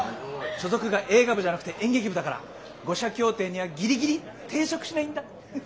所属が映画部じゃなくて演劇部だから五社協定にはギリギリ抵触しないんだ。